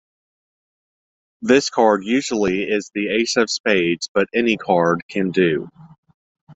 This card usually is the Ace of Spades, but any card can do.